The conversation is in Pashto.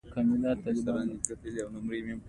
نفوذ او اقتدار بیان ورته وکړ.